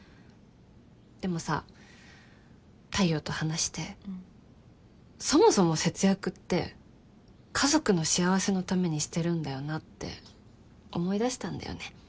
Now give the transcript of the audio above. でもさ太陽と話してそもそも節約って家族の幸せのためにしてるんだよなって思い出したんだよね。